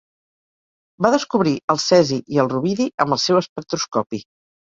Va descobrir el cesi i el rubidi amb el seu espectroscopi.